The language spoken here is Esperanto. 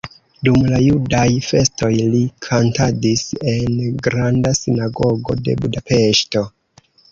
Dum la judaj festoj li kantadis en Granda Sinagogo de Budapeŝto.